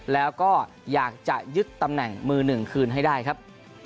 แล้วก็อยากจะยึดตำแหน่งมือหนึ่งคืนให้ได้ครับ